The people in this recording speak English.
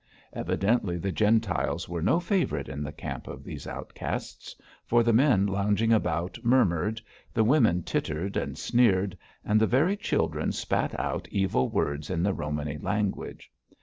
Evidently the Gentiles were no favourites in the camp of these outcasts, for the men lounging about murmured, the women tittered and sneered, and the very children spat out evil words in the Romany language.